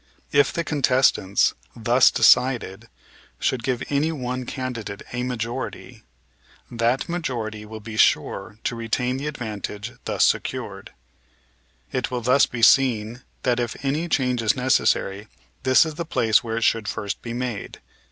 If the contests thus decided should give any one candidate a majority, that majority will be sure to retain the advantage thus secured. It will thus be seen that if any change is necessary this is the place where it should first be made.